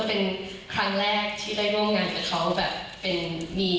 เป็นครั้งแรกที่ได้ร่วมงานกับเขาแบบมีลายเซ็นต์ตัวเองอย่างนี้